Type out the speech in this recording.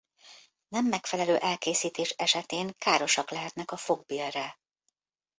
Nem megfelelő elkészítés esetén károsak lehetnek a fogbélre.